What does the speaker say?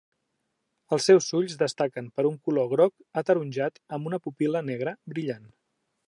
Els seus ulls destaquen per un color groc ataronjat amb una pupil·la negra brillant.